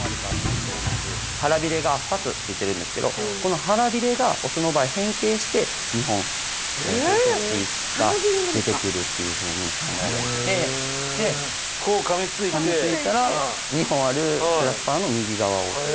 腹びれが２つ付いてるんですけどこの腹びれが雄の場合変形して２本交接器が出てくるっていうふうに考えられててでかみついたら２本あるクラスパーの右側を使う。